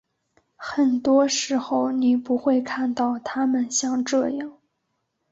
很多时候你不会看到他们像这样。